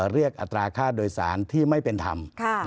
อัตราค่าโดยสารที่ไม่เป็นธรรม